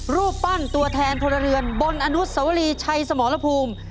รูปปั้นตัวแทนพลเรือนบนอนุสวรีชัยสมรภูมิ